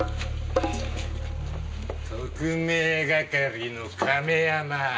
特命係の亀山ぁ！